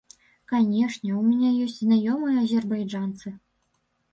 Канечне, у мяне ёсць знаёмыя азербайджанцы.